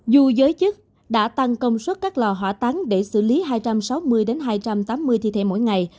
dù giới chức đã tăng công suất các lò hỏa táng để xử lý hai trăm sáu mươi hai trăm tám mươi thi thể mỗi ngày